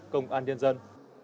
công an nhân dân